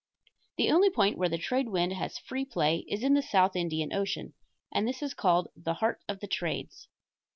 The only point where the trade wind has free play is in the South Indian Ocean, and this is called the "heart of the trades."